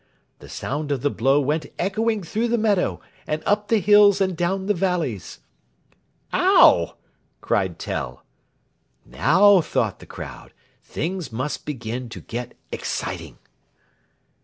The sound of the blow went echoing through the meadow and up the hills and down the valleys. [Illustration: PLATE V] "Ow!" cried Tell. "Now," thought the crowd, "things must begin to get exciting."